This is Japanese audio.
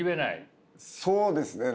そうですね。